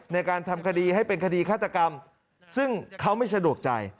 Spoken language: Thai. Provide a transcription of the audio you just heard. ในการทำคดีให้เป็นคดีฆาตกรรมซึ่งเขาไม่สะดวกใจ